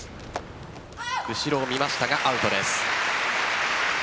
後ろを見ましたがアウトです。